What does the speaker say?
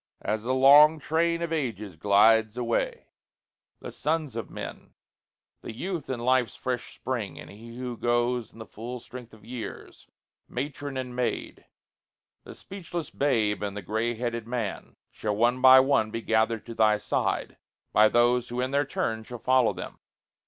As the long train Of ages glides away, the sons of men, The youth in life's fresh spring and he who goes In the full strength of years, matron and maid, The speechless babe and the gray headed man Shall one by one be gathered to thy side, By those who in their turn shall follow them.